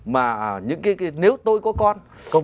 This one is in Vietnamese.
mà những cái nếu tôi có con